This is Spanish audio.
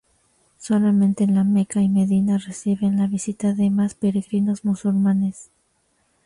Solamente La Meca y Medina reciben la visita de más peregrinos musulmanes.